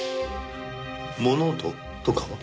物音とかは？